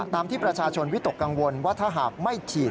ที่ประชาชนวิตกกังวลว่าถ้าหากไม่ฉีด